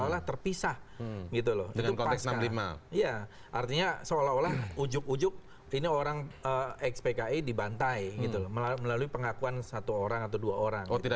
lepas dari siapa yang punya ide